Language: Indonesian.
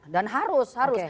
dan harus harus